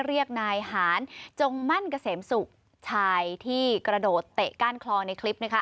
เรียกนายหานจงมั่นเกษมศุกร์ชายที่กระโดดเตะก้านคลอในคลิปนะคะ